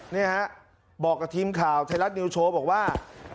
นี่ฮะบอกกับทีมข่าวไทยรัฐนิวโชว์บอกว่า